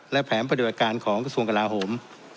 และแผนปฏิบัติการของกระทรวงกลาโหม